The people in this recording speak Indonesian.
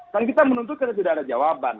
kan kita menuntut karena tidak ada jawaban